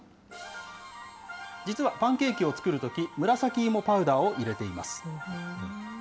実はパンケーキを作るとき、紫芋パウダーを入れています。